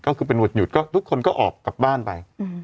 ก็คือเป็นวันหยุดก็ทุกคนก็ออกกลับบ้านไป